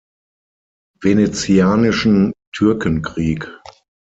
Venezianischen Türkenkrieg.